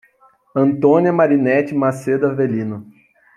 Antônia Marinete Macedo Avelino